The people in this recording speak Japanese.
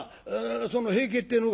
その『平家』ってえのか？